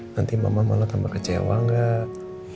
nanti mama malah tambah kecewa nggak